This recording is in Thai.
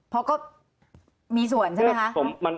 เพราะก็มีส่วนใช่ไหมคะ